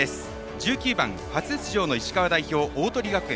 １９番、初出場の石川代表鵬学園。